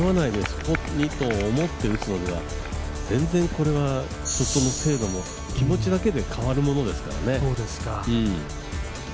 そこに打とうと思って打つのは全然違うショットの精度も気持ちだけで変わるものですから。